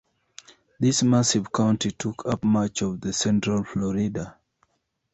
This massive county took up much of central Florida.